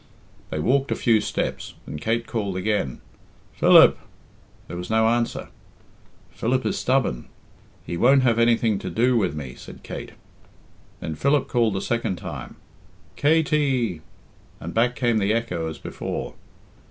They walked a few steps, and Kate called again, "Philip!" There was no answer. "Philip is stubborn; he won't have anything to do with me," said Kate. Then Philip called a second time, "Katey!" And back came the echo as before.